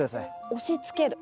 押しつける。